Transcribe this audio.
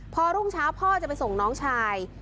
พอรุ่งเช้าพ่อจะไปส่งน้องชาย